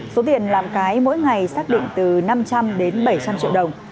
số tiền làm cái mỗi ngày xác định từ năm trăm linh đến bảy trăm linh triệu đồng